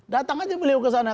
datang aja beliau kesana